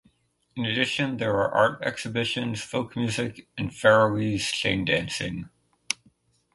In addition, there are art exhibitions, folk music, and Faroese chain dancing.